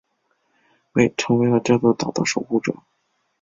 成为了这座岛的守护者。